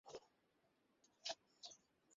আরে ছাড়ুন মিস্টার সাহায়।